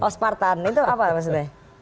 oh spartan itu apa maksudnya